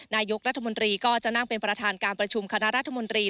นายกรัฐมนตรีก็จะนั่งเป็นประธานการประชุมคณะรัฐมนตรี